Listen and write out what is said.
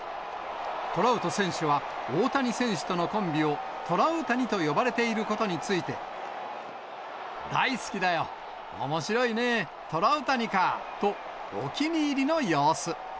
トラウト選手は大谷選手とのコンビをトラウタニと呼ばれていることについて、大好きだよ、おもしろいね、トラウタニかと、お気に入りの様子。